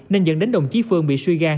nên dẫn đến đồng chí phương bị suy gan